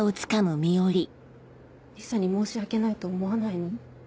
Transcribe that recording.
リサに申し訳ないと思わないの？